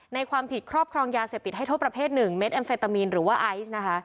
ในความผิดครอบครองยาเสพติดให้โทษประเภท๑เม็ดแอมเฟตามีนหรือว่าไอซ์นะคะ